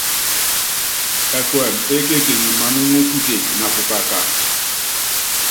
Ɛkuɛmɛ ékekenyi manúŋɔ kutéke na pukaka.